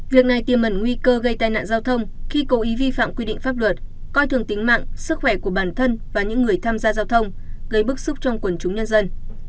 việc này tiêm ẩn nguy cơ gây tai nạn giao thông khi cố ý vi phạm quy định pháp luật coi thường tính mạng sức khỏe của bản thân và những người tham gia giao thông gây bức xúc trong quần chúng nhân dân